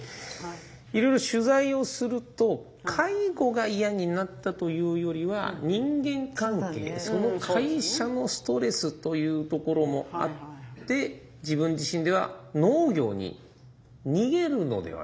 いろいろ取材をすると介護が嫌になったというよりは人間関係その会社のストレスというところもあって自分自身では農業に逃げるのではないか自問自答として。